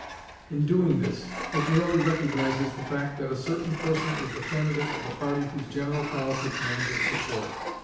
In doing this, it merely recognizes the fact that a certain person is the candidate of the party whose general policy commands its support.